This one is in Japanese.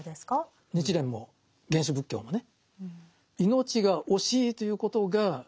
日蓮も原始仏教もね